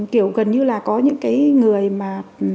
kiểu gần như là có những cái người mà